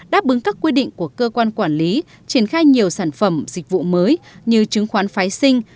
đáp ứng các quy định của cơ quan quản lý triển khai nhiều sản phẩm dịch vụ mới như chứng khoán phái sinh